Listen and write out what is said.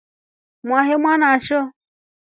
Mwahe mwanaso.